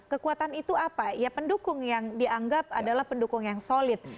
kekuatan itu apa ya pendukung yang dianggap adalah pendukung yang solid